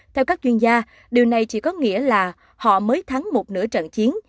theo các chuyên gia điều này chỉ có nghĩa là họ mới thắng một nửa trận chiến